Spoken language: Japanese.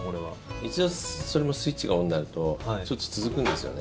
一度、それもスイッチがオンになるとそれって続くんですよね。